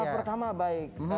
langkah pertama baik